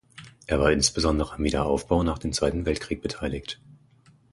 Er war insbesondere am Wiederaufbau nach dem Zweiten Weltkrieg beteiligt.